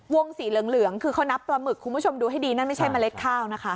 สีเหลืองคือเขานับปลาหมึกคุณผู้ชมดูให้ดีนั่นไม่ใช่เมล็ดข้าวนะคะ